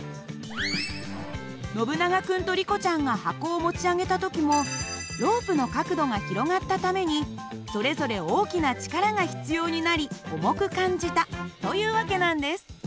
ノブナガ君とリコちゃんが箱を持ち上げた時もロープの角度が広がったためにそれぞれ大きな力が必要になり重く感じたという訳なんです。